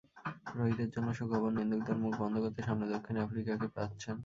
রোহিতের জন্য সুখবর, নিন্দুকদের মুখ বন্ধ করতে সামনে দক্ষিণ আফ্রিকাকে পাচ্ছেন।